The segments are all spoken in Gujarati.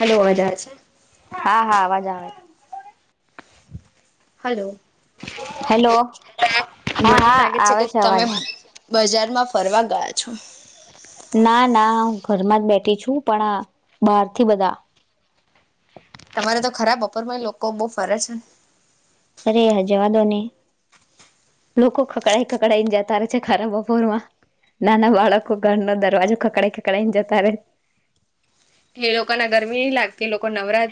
હલો અવાજ આવે છે હા હા અવાજ આવે. હલો. હેલો મને હા એવું હા લાગે આવે કે છે તમે અવાજ. બજારમાં ફરવા ગયા છો? ના ના હું ઘરમાં જ બેઠી છું પણ આ બહાર થી બધા તમારે તો ખરાબ બપોરમાં લોકો બહુ ફરે છે. અરે હ જવા દો ને, લોકો ખકડાઈ, ખકડાઈને જતા રહે છે ખરા બપોર માં, નાના બાળકો ઘરનો દરવાજો ખકડાઈ, ખકડાઈને જતા રહેે. એ લોકોને ગરમી નહી લાગતી એ લોકો નવરા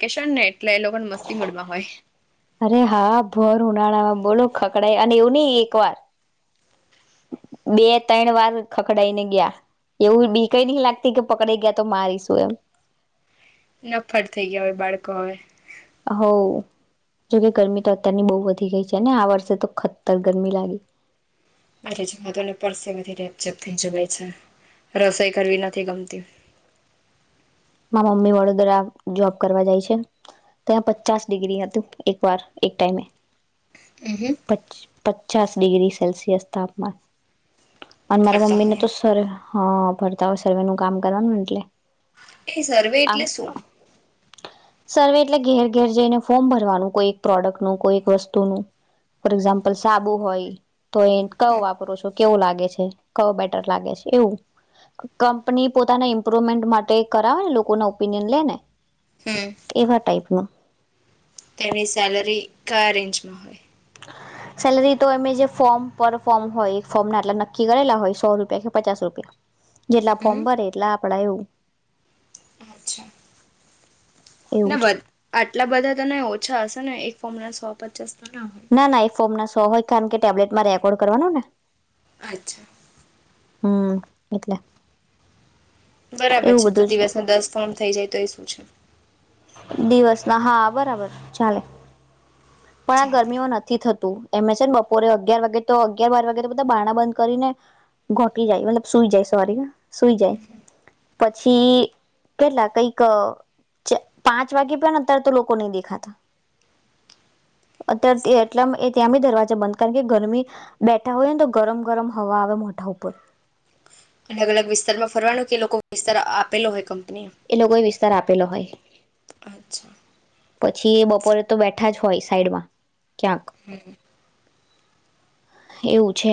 [unintelligible] મસ્તી મૂડમાં હોય અરે હા ભર ઉનાળા બોલો ખકડાય અને એવું નહીં એ એક વાર બે તેયન વાર ખકડાઈ ને ગયા, એવું બીક એય નહી લાગતી કે પકડાઈ ગયા તો મારીશું એમ. નફટ્ટ થઈ ગયા હોય બાળકો હવે. હો, જોકે ગરમી તો અત્યારની બહુ વધી ગઈ છે અને આ વર્ષે તો ખતર ગરમી લાગી. [unintelligible] ને પરસેવેથી રેપજેપ થઈ જવાય છે, રસોઈ કરવી નથી ગમતી. મા મમ્મી વડોદરા જોબ કરવા જાય છે, ત્યાં પચાસ ડિગ્રી હતું એક વાર એક ટાઈમે. હમ પછ પચાસ ડિગ્રી સેલ્સિયસ તાપમાન. અને મારા ફરતા મમ્મી ને હોય તો એમ સર હા ફરતા હોય સર્વે નું કામ કરવાનું એટલે. એ સર્વે આમ એટલે શું? સર્વે એટલે ઘેર ઘેર જઈને ફોર્મ ભરવાનું, કોઈ એક પ્રોડક્ટનું, કોઈ એક વસ્તુનું, ફોર એક્ઝામ્પલ સાબુ હોય તો એ કયો વાપરો છો, કેવું લાગે છે. કયો બેટર લાગે છે એવું. કંપની પોતાના ઇમ્પ્રુવમેન્ટ માટે કરાવા લોકો નો ઓપિનિન લે ને. હમ. એવા ટાઈપમાં. તેમની સેલરી કયા રેન્જમાં હોય. સેલરી તો એમે જે ફોર્મ પર ફોર્મ હોય ફોર્મ ના એટલા નક્કી કરેલા હોય સો રૂપિયા કે પચાસ રૂપિયા. જેટલા ફોર્મ હમ ભરે એટલા. પડાયો. નબદ આઠ. એટલા બધા તને ઓછા હશે ને એક ફોર્મના સો પચાસ. તો હોય ના ના એ ફોમ ના સો હોય કારણ કે ટેબ્લેટમાં રેકોર્ડ કરવાનો ને. અચ્છા. હમ્મ એટલે. બરાબર એવું છે તો બધું જ દિવસ દસ ફોર્મ થઈ જાય તો એ શું છે. દિવસ ના હા બરાબર ચાલે. પણ આ ચાલે ગરમીઓ નથી થતું. એમે છે ને બપોરે અગિયાર વાગે તો અગિયાર બાર વાગે તો બધા બાણા બંધ કરીને ઘોટી જાય મતલબ સુઈ જાય સોરી. સુઈ જાય. પછી કેટલા કઈક. પાંચ વાગે પણ અત્યારે તો લોકો નહી દેખાતા. અત્યાર તે એટલા [unintelligible] ત્યાં બી દરવાજા બંધ, કારણકે ગરમી બેઠા હોય ને તો ગરમ ગરમ હવા આવે મોઢા ઉપર. અલગ અલગ વિસ્તાર માં ફરવાનું કે લોકો વિસ્તાર આપેલો હોય કમ એ લોકોએ વિસ્તાર આપેલો હોય, અચ્છા પછી એ બપોરે તો બેઠાજ હોય સાઈડમાં. ક્યાંક હમ્મ. એવું છે.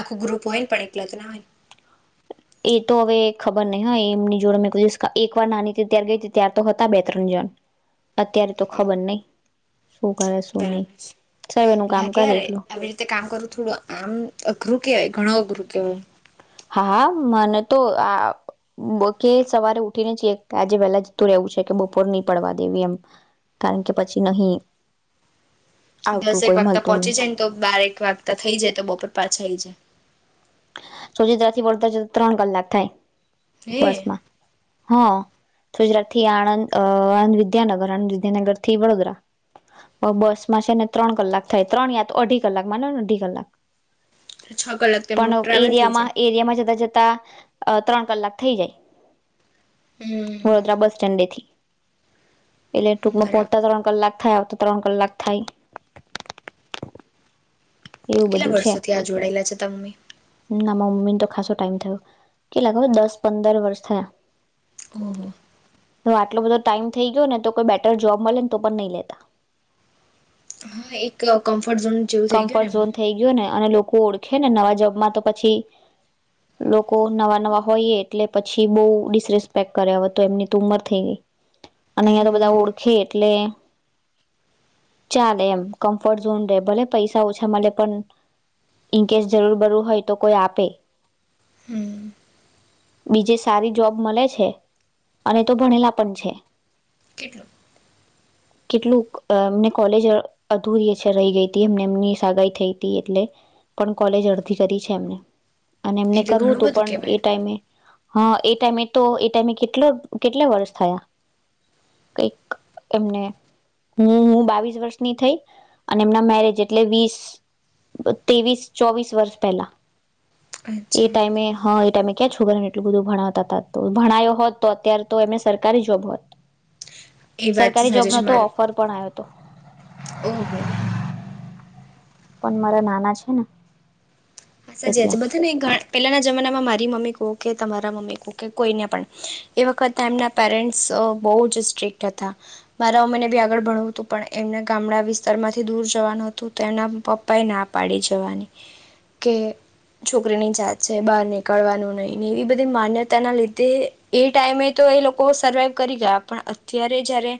આખું ગ્રુપ હોઈને પણ એકલા તો ના હોય. એ તો હવે ખબર નહિ હ એમની જોડે મેં કોઈ દિવસ, એકવાર નાની હતી ત્યારે ગઈ હતી ત્યાર તો હતા બે ત્રણ જણ. અત્યારે તો ને ખબર નઈ. બરાબર છે. નું કામ લાગે આ કરે એટલું આવી રીતે કામ કરવું થોડું, આમ અઘરું કેવાય ઘણું. [unintelligible] હા, મને તો આ [unintelligible] સવારે ઉઠીનેજ આજે વેલા જતું રહેવું છે કે બપોર ની પડવા દેવી એમ, કારણકે પછી નહી આવતું દસક કોઈ વાગતા મળતું નહી પહોંચી જાય ને તો બારેક વાગતા થઈ જાય, તો બપોર પાછા આઈ જાય. સજિત્રથી વળતાજ ત્રણ કલાક થાય. હે? બસમાં હા, ગુજરાત થી આણંદ, આણંદ વિદ્યાનગર આણંદ વિદ્યાનગર થી વડોદરા બસ માં છે ને ત્રણ કલાક થાય, ત્રણ યા તો અઢી કલાક માનો ને અઢી કલાક. [unintelligible] પણ ટ્રાવેલ થઈ એરિયામાં જાય એરિયામાં જતા જ ત્રણ કલાક થઈ જાય. હમ વડોદરા બસ સ્ટેન્ડેથી. એટલે ટૂંકમાં બરાબર પોહોતા ત્રણ કલાક થાય. ત્રણ કલાક થાય. એવું કેટલા બધું છે વર્ષોથી આ જોડાયેલા છે. તમને. ના મમ્મી તો ખાસો ટાઈમ થયો કેલાાગ દસ પંદર વર્ષ થયા. ઓ હો. તો આટલો બધો ટાઈમ થઈ ગયો ને તો કોઈ બેટર જોબ મળે ને તો પણ નહી લેતા. હા એક કં કમ્ફર્ટ ઝોન થઈ ગયો ને અને લોકો. ઓળખે ને નવા જબમાં તો પછી લો કો નવા નવા હોઈએ એટલે. પછી બહ ડિસરેસ્પેક્ટ કરે તો એમની ત ઉમર થઈ ગઈ અને અહિયાં તો બધા ઓળખે એટલે ચાલે એમ કમ્ફર્ટ ઝોન રે ભલે. પૈસા ઓછા મળે પણ ઇન કેસ જરૂર બરું હોય તો કોઈ આપે, હમ બીજે સારી જોબ મળે છે અને તો ભણેલા પણ છે. કેટલો? કેટલું એમને કોલેજ અધૂરી છે રહી ગઈ હતી એમને એમની સગાાઈ થઈ હતી એટલે પણ કોલેજ અડધી કરી છે એમને. અને એમને એટલે કરવું ઘણું હતું બધું પણ એ કેહેવાય ટાઈમે. હા એ ટાઈમે તો એ ટાઈમે કેટલો કેટલા વર્ષ થયા કઈક એમને. હું હું બાવીસ વર્ષની થઈ અને એમના મેરેજ એટલે વીસ તેવીસ ચોવીસ વર્ષ પહેલા. એ અચ્છા ટાઈમે હા એ ટાઈમે. ક્યાં છું કરરને એટલું બધું ભણાવતા ત તો ભણાયો હોત તો અત્યારે તો એમે સરકારી જોબ હોત. એ વાત સરકારી સાજ જોબનો છે. તો ઓફર પણ આવ્યો. તો. ઓ હો હો. પણ મારા નાના છે ને. સાચી એટલે વાત છે બધા નહી પેલાના જમાનામાં મારી મમ્મી કો કે તમારા મમ્મી ક કે કોઈને પણ એ વખતે એમના પેરેન્ટ્સ બહુ જ સ્ટ્રિક્ટ હતા, મારા મ્મને બી આગળ ભણવું હતું પણ એમને ગામડા વિસ્તારમાંથી દૂર જવાનું હતું તો એમના પપ્પા એ ના પાડી જવાની. કે છોકરીની જાત છે બહાર નીકળવાનું નહીં ને એવી બધી માન્યતાના લીધે એ ટાઈમે તો એ લોકો સર્વાઈવ કરી ગયા, પણ અત્યારે જય્યારે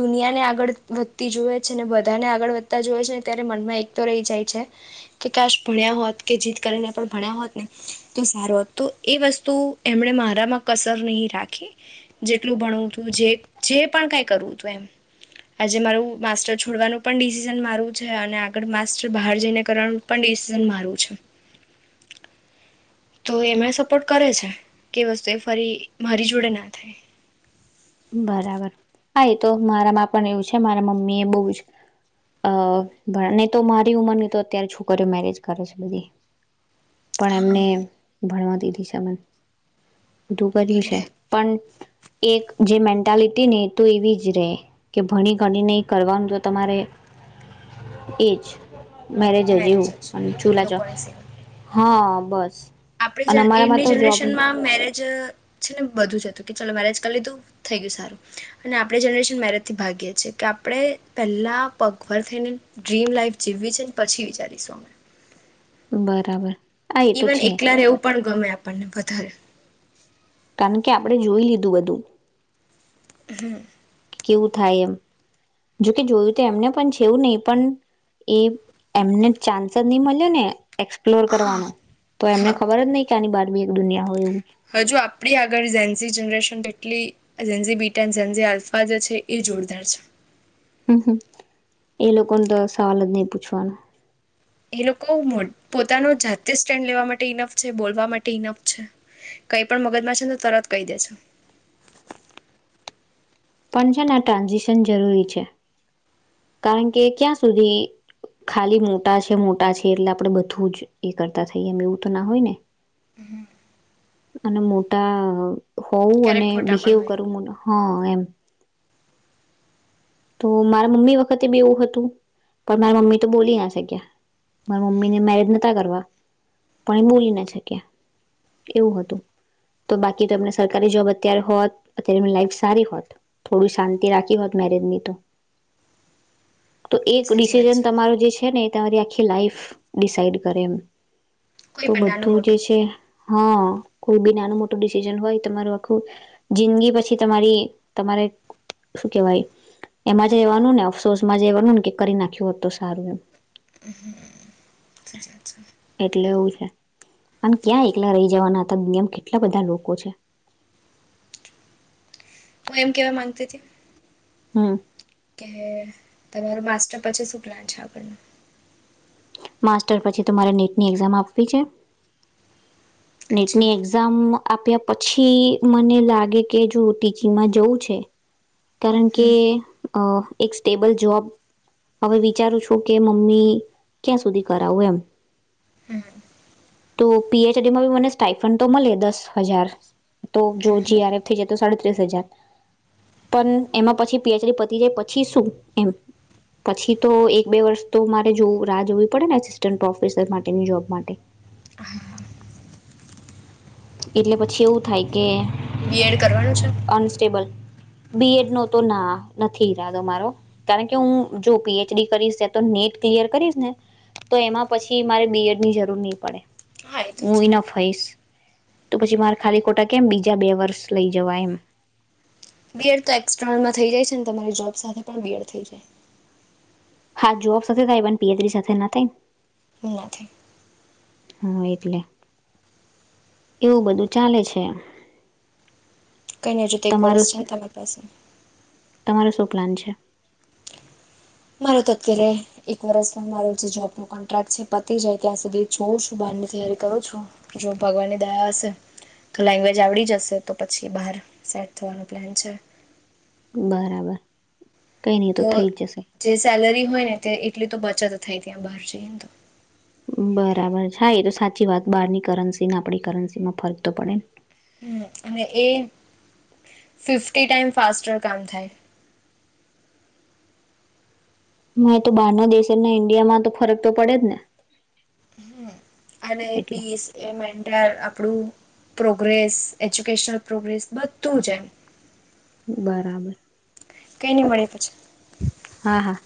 દુનિયાને આગળ વધતી જોઈએ છે ને બધાને આગળ વધતા જોઈ છે ને ત્યારે મનમાં એક તો રહી જાય છે કે કાશ ભણ્યા હોત. કે જીત કરીને પણ ભણ્યા હોત ને તો સારો હોત તો એ વસ્તુ એમણે મારામાં કસર નહીં રાખી. જેટલું ભણવું હતું જે જે પણ કાંઈ કરવું હતું એમ. આજે મારું માસ્ટર છોડવાનું પણ ડિસિઝન મારું છે અને આગળ માસ્ટર બહાર જઈને કરવાનું પણ ડિસિઝન મારું છે. તો એમાં સપોર્ટ કરે છે કે વસ્તુ એ ફરી મારી જોડે નાં થાય. બરાબર. હા, એતો મારામાં પણ એવું છે મારા મમ્મી એ બોજ અ ધણાં નેતો મારી ઉંમરની તો અત્યારે છોકરીઓ મેરેજ કરે છે બધી. પણ હા એમને ભણવા [unintelligible] બધું કર્યું છે. એટલે પણ એક જે મેન્ટાલિટીને એતો એવી જ રે કે ભણી ઘણીને કરવાનું તો તમારે એજ. મેરેજે મેરેજ જેવું જ ચૂલા ચો લોકોની સેવા હા. બસ. આપણી જ અને અમારામાં એમની તો જોબ જનરેશનમાં મેરેજ છેને બધું જ હતું કે ચાલ મેરેજ કરી લીધું થઈ ગયું સારું અને આપણે જનરેશન મેરેજથી ભાગીએ છીએ કે આપણે પહેલા પગભર થઈને ડ્રીમ લાઈફ જીવવી છેને પછી વિચારીશું અમે. બરાબર. હા એ તો ઈવન છે એકલા રેવું પણ ગમે આપણને. [unintelligible] કારણ કે આપરે જોઈ લીધું બધું. હમ્મ. કેવું થાય એમ. જોકે જોયું તો એમને પણ છેવું નય પણ એ એમને ચાન્સજ ની મલેને. એક્સપ્લોર કરવાનું તો એમને હા ખબર જ નય કે આની બા એક દુનિયા હોય એવું. હજુ આપડી આગળ ઝેનઝી જનરેશન કેટલી ઝેનઝી બીટેન, ઝેનઝી આલ્ફા જે છે એ જોરદાર છે. એ લોકોને તો સવાલજ ની પૂછવાનું. એ લોકો પોતાનું જા સ્ટેન્ડ લેવા માટે ઈનફ છે, બોલવા માટે ઈનફ છે. કઈ પણ મગજમાં છેને તરત કય દે છે. પણ છેને આ ટ્રાન્ઝેક્શન જરૂરી છે. કારણ કે ક્યાં સુધી ખાલી મોટા છે મોટા છે એટલે આપણેે બધું જ એ કરતા થઈએ એમ એવું તો ના હોય ને. હમ્મ. અને મોટા હોવું ક્યારેક અને ખોટા પણ બિહેવ હોય કરવું મને હા. એમ. તો મારા મમ્મી વખતે બી એવું હતું પણ મારા મમ્મીતો બોલીના શક્યા. મારા મમ્મીને મેરેજ નતા કરવા. પણ એ બોલીના શક્યા એવું હતું તો બાકી તેમને સરકારી જોબ અત્યારે હોત અત્યારે એમની લાઈફ સારી હોત થોડું શાંતિ રાખી હોત મેરેજની [inaudible] તો એક સાચી વાત ડિસિઝન છે તમારો જે છેને તમારી આખી લાઈફ ડિસાઈડ કરે એમ. તો કોઈ પણ નાનું બધું જે મોટું છે હા. કોઈ બી નાનું મોટું ડિસિઝન હોય તમારું આખું જિંદગી પછી તમારી તમારે શું કેવાય. એમાં જ રેહવાનું ને અફસોસમાં જ રેવાનું કેમ કરી નાખ્યું હોત તો સારું એમ. સાચી વાત છે એટલે એવું છે પણ ક્યાં એકલા રહી જવાના હતા. તયમ કેટલા બધા લોકો છે. હ એમ કેવા માંગતી હતી. હમ્મ. કે તમારો માસ્ટર પછી શું પ્લાન છે આપણે? માસ્ટર પછી તમારે નીટની એક્ઝામ આપવી છે. નીટ અચ્છા ની એક્ઝામ આપ્યા પછી મને લાગે કે જો ટીચીંગ માં જવું છે. કારણ કે હમ અહ એક સ્ટેબલ જોબ હવે વિચારું છું કે મમ્મી ક્યાં સુધી કરાવું એમ, હમ તો પી એચ ડીમાં ભી મને સ્ટઇફન તો મળે દસ હજાર તો જો જી હમ આર એફ થઈ જાય તો સાડત્રીસ હજાર. પણ એમાં પછી પી એચ ડી પતી જાય પછી શું, એમ પછી તો એક બે વર્ષ તો મારે જો રાહ જોવી પડે ને એસિસ્ટન્ટ પ્રોફેસર માટેની જોબ માટે. એટલે પછી એવું થાય કે બી એડ કરવાનું છે? બી એડ નો તો ના નથી ઈરાદો મારો, કારણકે હું જો પી એચ ડી કરીશ તો નેટ ક્લિયર કરીશ ને તો એમાં પછી મારે બી એડ ની જરૂર ની પડે, હા એ તો હું છે ઈનફ હઈશ. તો પછી મારે ખાલી ખોટા કેમ બીજા બે વર્ષ લઈ જવા એમ. બી એડ તો એક્સ્રનલમાં થઇ જાય છે ને, તમારી જોબ સાથે પણ બી એડ થઈ જાય. હા, જોબ સાથે થાય પણ પી એચ ડી સાથે ના થાય, ના થાય હા એટલે એવું બધું ચાલે છે. કઈ નઈ હજુ તો એક તમારો કોરસ છે, તમારી પાસે. તમારો શું પ્લાન છે? મારો તો અત્યારે એક વરસમાં મારો જે જોબનો કોન્ટ્રાક્ટ છે પતી જાય ત્યાં સુધી જોઉં છું બહારની તૈયારી કરું છું, જો ભગવાનની દયા હશે તો લેંગ્વેજ આવડી જશે, તો પછી બહાર સેટ થવાનું પ્લેન છે. બરાબર. કઈ નહી તો થઈ જ જશે જે સેલરી હોય ને ત્યા એટલી તો બચત થાય ત્યાં બહાર જઈએને તો. બરાબર. હા, એતો સાચી વાત. બહારની કરન્સીને આપડી કરન્સી માં ફરક તો પડે ને. હમ્મ અને એ ફિફ્ટી ટાઈમ ફાસ્ટર કામ થાય. હા, તો બહારના દેશને ઈન્ડિયામાં તો ફરક તો પડે જ ને. અને એ એટલે પીસ એન્ટ આપડું. પ્રોગ્રેસ એજ્યુકેશનલ પ્રોગ્રેસ બધું જ એમ. બરાબર. કંઈ નહીં મળે પછી. હા હા.